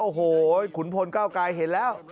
โอ้โหขุนพลเก้าไกรเห็นแล้ว